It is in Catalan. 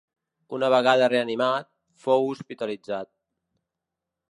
Una vegada reanimat, fou hospitalitzat.